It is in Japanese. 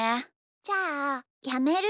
じゃあやめる？